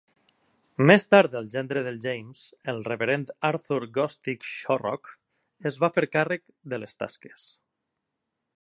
Més tard el gendre de James, el reverend Arthur Gostick Shorrock, es va fer càrrec de les tasques.